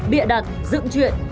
bịa đặt dựng chuyện